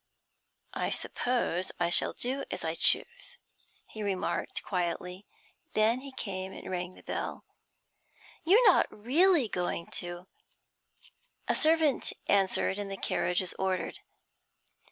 'I suppose I shall do as I choose,' he remarked, quietly. Then he came and rang the bell. 'You're not really going to ?' A servant answered, and the carriage was ordered.